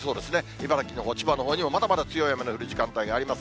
茨城のほう、千葉のほうにも、まだまだ強い雨の降る時間帯があります。